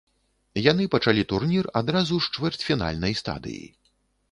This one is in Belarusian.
Яны пачалі турнір адразу з чвэрцьфінальнай стадыі.